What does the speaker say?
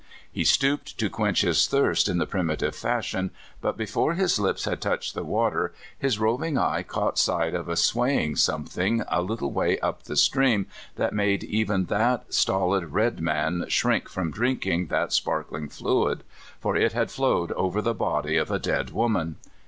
He stooped to quench his thirst in the primitive fashion, but before his lips had touched the water his roving eye caught sight of a swaying something a little way up the stream that made even that stolid red man shrink from drinking that sparkling fluid, for it had flowed over the body of a dead woman.